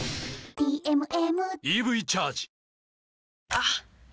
あっ！